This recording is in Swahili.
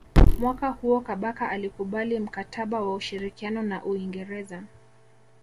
Mwaka huo Kabaka alikubali mkataba wa ushirikiano na Uingereza